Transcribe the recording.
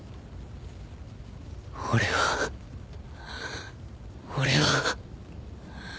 俺は俺は。